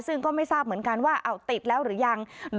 ซึ่งก็ไม่ทราบเหมือนกันว่าเอาติดแล้วหรือยัง